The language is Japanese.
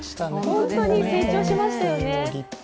本当に成長しましたよね。